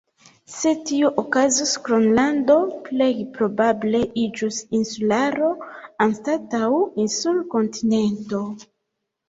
Se tio okazus Gronlando plej probable iĝus insularo, anstataŭ insul-kontinento.